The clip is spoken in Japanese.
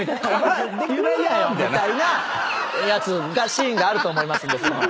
みたいなシーンがあると思いますんで。